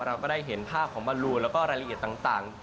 เราก็ได้เห็นภาพของบอลลูนแล้วก็รายละเอียดต่าง